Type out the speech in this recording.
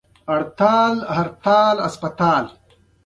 پوښتل یې چې ولې اسرائیلو ته ځم او څومره وخت پاتې کېږم.